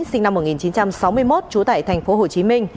sinh năm một nghìn chín trăm sáu mươi một trú tại tp hcm